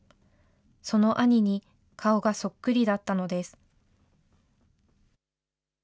その兄に顔がそっくりだったのです。